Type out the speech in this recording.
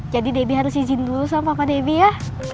jadi debbie harus izin dulu sama papa debbie